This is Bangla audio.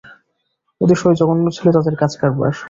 অতিশয় জঘন্য ছিল তাদের কাজ-কারবার।